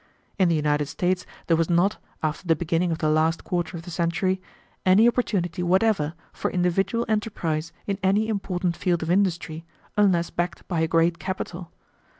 In the United States there was not, after the beginning of the last quarter of the century, any opportunity whatever for individual enterprise in any important field of industry, unless backed by a great capital.